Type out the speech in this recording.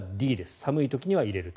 寒い時に入れると。